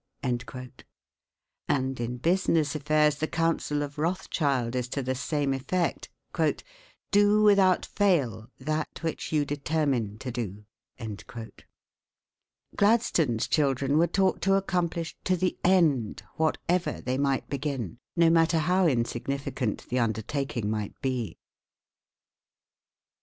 And in business affairs the counsel of Rothschild is to the same effect: "Do without fail that which you determine to do." Gladstone's children were taught to accomplish to the end whatever they might begin, no matter how insignificant the undertaking might be.